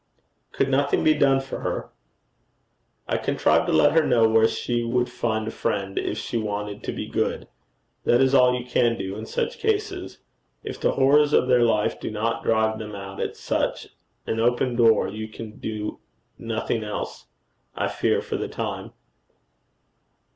'Could nothing be done for her?' 'I contrived to let her know where she would find a friend if she wanted to be good: that is all you can do in such cases. If the horrors of their life do not drive them out at such an open door, you can do nothing else, I fear for the time.'